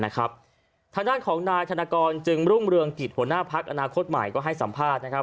ทางด้านของนายธนกรจึงรุ่งเรืองกิจหัวหน้าพักอนาคตใหม่ก็ให้สัมภาษณ์นะครับ